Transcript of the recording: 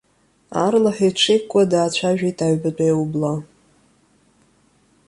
Аарлаҳәа иҽеиқәкуа даацәажәеит аҩбатәи аублаа.